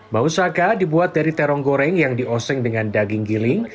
mau saka dibuat dari terong goreng yang dioseng dengan daging giling